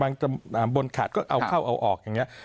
บางตำบลขาดก็เอาเข้าเอาออกอย่างเงี้ย